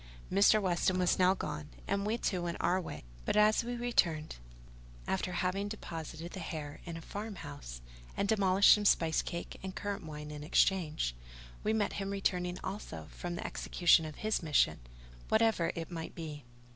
Mr. Weston was now gone, and we too went on our way; but as we returned, after having deposited the hare in a farm house, and demolished some spice cake and currant wine in exchange, we met him returning also from the execution of his mission, whatever it might be.